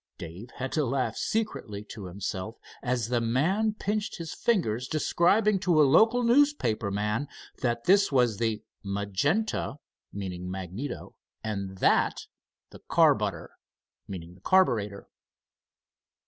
Dave had to laugh secretly to himself as the man pinched his fingers describing to a local newspaper man that this was the "magenta"—meaning magneto; and that the "carbutter"—meaning the carburetor.